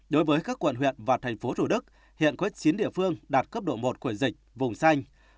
đối với các quận huyện và thành phố thủ đức hiện có chín địa phương đạt cấp độ một của dịch vùng xanh